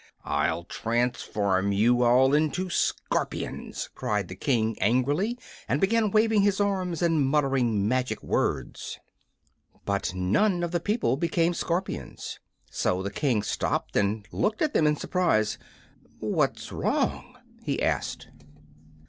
"I'll transform you all into scorpions!" cried the King, angrily, and began waving his arms and muttering magic words. But none of the people became scorpions, so the King stopped and looked at them in surprise. "What's wrong?" he asked.